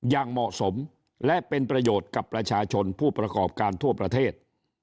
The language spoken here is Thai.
อย่างเหมาะสมและเป็นประโยชน์กับประชาชนผู้ประกอบการทั่วประเทศ